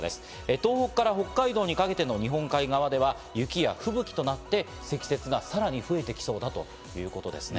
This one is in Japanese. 東北から北海道にかけての日本海側では雪や吹雪となって、積雪がさらに増えてきそうだということですね。